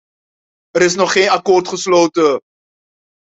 Er is nog geen akkoord gesloten.